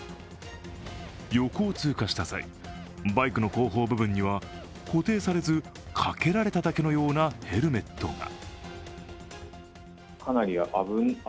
横を通過した際、バイクの後方部分には固定されず掛けられただけのようなヘルメットが。